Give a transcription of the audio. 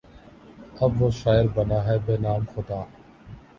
اب وہ شاعر بنا ہے بہ نام خدا